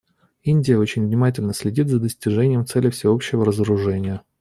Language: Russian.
Индия очень внимательно следит за достижением цели всеобщего разоружения.